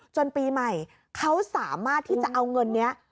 ปีใหม่เขาสามารถที่จะเอาเงินนี้